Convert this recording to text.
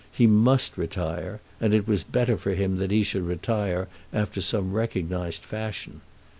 He must retire, and it was better for him that he should retire after some recognised fashion.